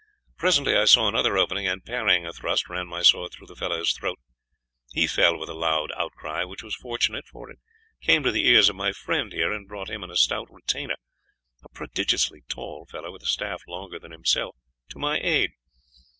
Presently I saw another opening, and, parrying a thrust, I ran my sword through the fellow's throat. He fell with a loud outcry, which was fortunate, for it came to the ears of my friend here, and brought him and a stout retainer a prodigiously tall fellow, with a staff longer than himself to my aid.